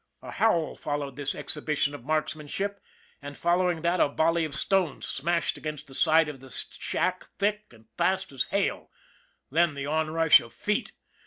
A howl followed this exhibition of marksman ship, and, following that, a volley of stones smashed against the side of the shack thick and fast as hail then the onrush of feet.